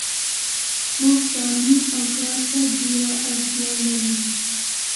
موږ تعلیم اوکارته ډیره اړتیالرو .